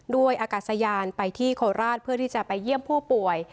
ด้วยอากาศยานไปที่โคราชเพื่อที่จะไปเยี่ยมผู้ป่วย